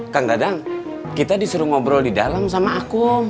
kang dadang kita disuruh ngobrol di dalam sama akum